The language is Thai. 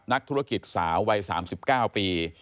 นักธุรกิจสาววัย๓๙ปี